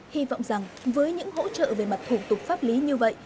hy vọng rằng với những hỗ trợ về mặt thủ tục pháp lý như vậy